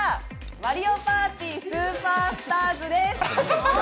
「マリオパーティースーパースターズ」です。